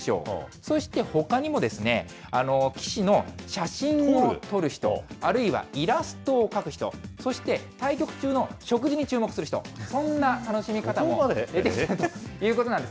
そしてほかにも棋士の写真を撮る人、あるいはイラストを描く人、そして対局中の食事に注目する人、こんな楽しみ方も出てきているということなんです。